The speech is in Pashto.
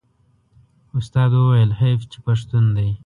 استاد وویل حیف چې پښتون دی.